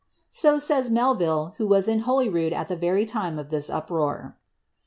So says Melville, who was in Holyrood at the very time of this uproar.